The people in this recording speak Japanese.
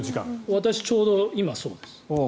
私、今ちょうどそうです。